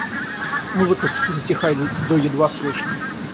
Музыка затихает до едва слышной.